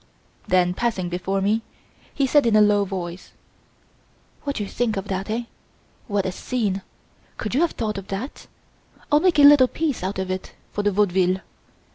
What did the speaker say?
Then, passing before me, he said in a low voice: "What do you think of that, eh? What a scene! Could you have thought of that? I'll make a little piece out of it for the Vaudeville."